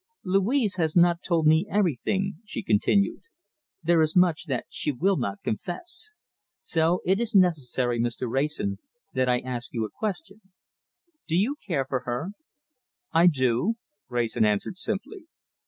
"Louise has not told me everything," she continued. "There is much that she will not confess. So it is necessary, Mr. Wrayson, that I ask you a question. Do you care for her?" "I do!" Wrayson answered simply.